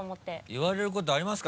言われることありますか？